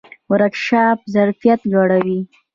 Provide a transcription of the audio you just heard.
ورکشاپونه ظرفیت لوړوي